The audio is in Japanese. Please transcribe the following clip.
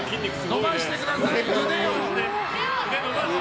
伸ばしてください、腕を。